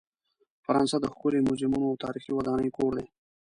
فرانسه د ښکلې میوزیمونو او تاریخي ودانۍ کور دی.